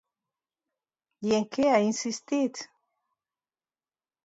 I en què ha insistit?